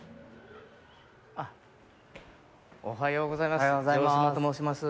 おはようございます。